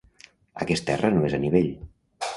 Aquest terra no és a nivell.